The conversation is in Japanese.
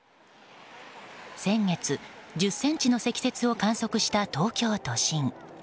先月、１０ｃｍの積雪を観測した東京都心。